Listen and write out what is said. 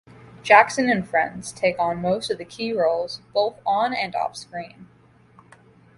Jackson and friends take on most of the key roles, both on and off-screen.